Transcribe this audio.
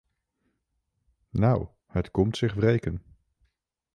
Nou, het komt zich wreken.